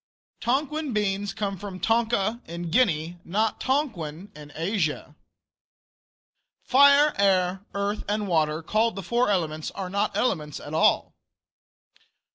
Tonquin beans come from Tonka, in Guinea, not Tonquin, in Asia. Fire, air, earth, and water, called the four elements, are not elements at all.